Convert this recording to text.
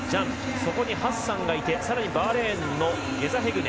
そこにハッサンがいて更にバーレーンのゲザヘグネ。